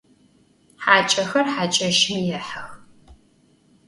Haç'exer haç'eşım yêhex.